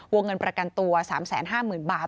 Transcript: วงเงินประกันตัว๓๕๐๐๐บาท